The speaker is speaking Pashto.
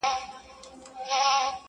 يتيم په ژړا پوخ دئ.